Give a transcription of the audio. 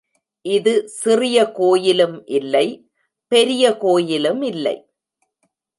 இது சிறிய கோயிலும் இல்லை பெரிய கோயிலுமில்லை.